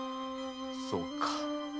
そうか。